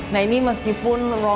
nah ini meskipun wrong